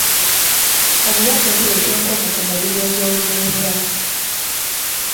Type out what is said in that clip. Obulwadde buleeta enkovu ku mubiri ez'olubeerera.